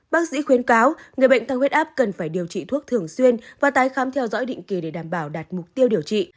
bác sĩ khuyến cáo người bệnh tăng huyết áp cần phải điều trị thuốc thường xuyên và tái khám theo dõi định kỳ để đảm bảo đạt mục tiêu điều trị